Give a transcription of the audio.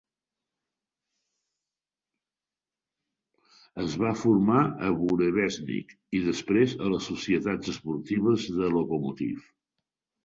Es va formar a Burevestnik i després a les societats esportives de Lokomotiv.